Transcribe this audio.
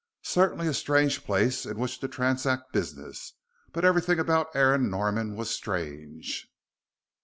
Certainly a strange place in which to transact business, but everything about Aaron Norman was strange.